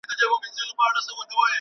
دغه مڼه په رښتیا ډېره پخه ده.